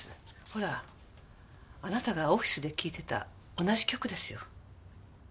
ほらあなたがオフィスで聴いてた同じ曲ですよ。